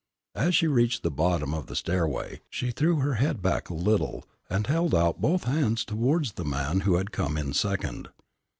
As she reached the bottom of the stairway she threw her head back a little, and held out both her hands towards the man who had come in second.